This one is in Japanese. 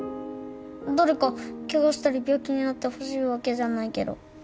誰かケガしたり病気になってほしいわけじゃないけど。